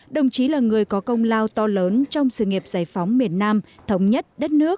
đồng chí là người có công lao to lớn trong sự nghiệp giải phóng miền nam thống nhất đất nước